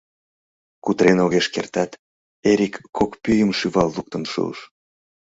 Кутырен огеш кертат, Эрик кок пӱйым шӱвал луктын шуыш.